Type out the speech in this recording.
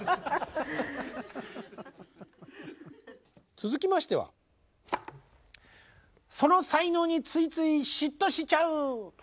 続きましては「その才能についつい嫉妬しちゃう！」